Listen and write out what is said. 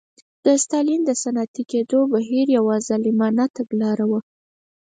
د ستالین د صنعتي کېدو بهیر یوه ظالمانه تګلاره وه